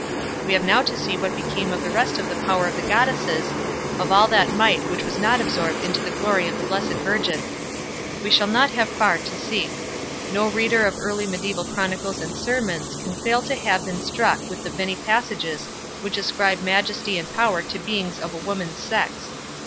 We have now to see what became of the rest of the power of the goddesses, of all that might which was not absorbed into the glory of the blessed Virgin. We shall not have far to seek. No reader of early medieval chronicles and sermons, can fail to have been struck with many passages which ascribe majesty and power to beings of woman's sex.